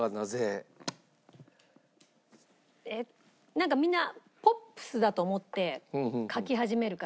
なんかみんなポップスだと思って書き始めるから。